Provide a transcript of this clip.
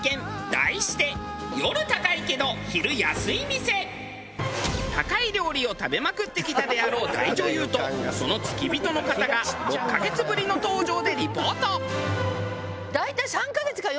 題して高い料理を食べまくってきたであろう大女優とその付き人の方が６カ月ぶりの登場でリポート。